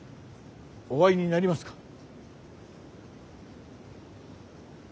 お会いになりますか。